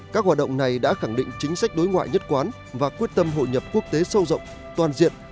các hoạt động này đã khẳng định chính sách đối ngoại nhất quán và quyết tâm hội nhập quốc tế sâu rộng toàn diện